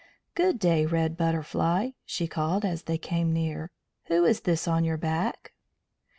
"Good day, Red Butterfly," she called as they came near. "Who is this on your back?"